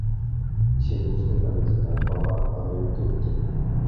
সে বুঝতে পারে যে তার বাবা আদৌ দৈত্য নন।